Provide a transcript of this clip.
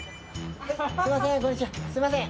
すみません。